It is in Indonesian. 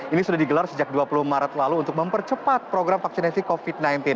ini sudah digelar sejak dua puluh maret lalu untuk mempercepat program vaksinasi covid sembilan belas